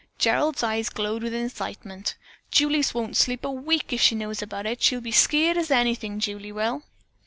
Gerald's eyes glowed with excitement. "Julie won't sleep a wink if she knows about it. She'll be skeered as anything, Julie will."